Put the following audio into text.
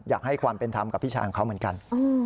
อยากให้ความเป็นธรรมกับพี่ชายของเขาเหมือนกัน